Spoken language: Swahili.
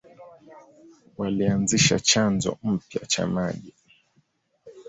Walianzisha chanzo mpya cha maji.